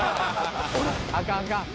俺？あかんあかん。